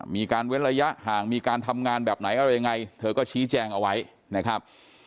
เว้นระยะห่างมีการทำงานแบบไหนอะไรยังไงเธอก็ชี้แจงเอาไว้นะครับ